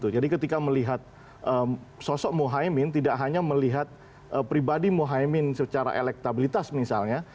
jadi ketika melihat sosok mohaimin tidak hanya melihat pribadi mohaimin secara elektabilitas misalnya